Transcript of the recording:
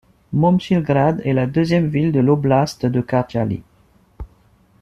Momčilgrad est la deuxième ville de l'oblast de Kărdžali.